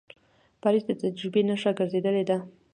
پاریس د تجربې نښه ګرځېدلې ده.